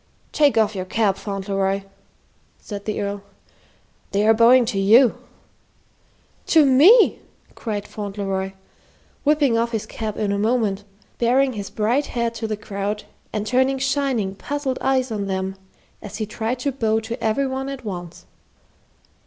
"Take off your cap, Fauntleroy," said the Earl. "They are bowing to you." "To me!" cried Fauntleroy, whipping off his cap in a moment, baring his bright head to the crowd and turning shining, puzzled eyes on them as he tried to bow to every one at once.